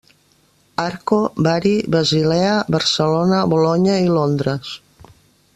Arco, Bari, Basilea, Barcelona, Bolonya i Londres.